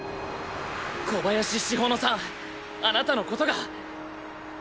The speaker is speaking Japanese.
小林詩帆乃さんあなたのことが。